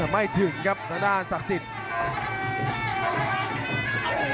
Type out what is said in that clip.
ไม่ถึงครับธนาภารสักสินธนาภารสักสิน